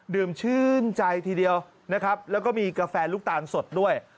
ื่มชื่นใจทีเดียวนะครับแล้วก็มีกาแฟลูกตาลสดด้วย